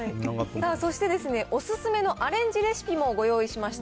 そして、お勧めのアレンジレシピもご用意しました。